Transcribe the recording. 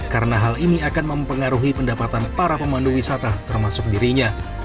karena hal ini akan mempengaruhi pendapatan para pemandu wisata termasuk dirinya